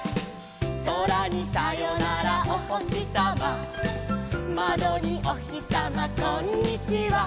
「そらにさよならおほしさま」「まどにおひさまこんにちは」